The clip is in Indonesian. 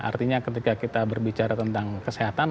artinya ketika kita berbicara tentang kesehatan